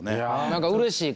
何かうれしい。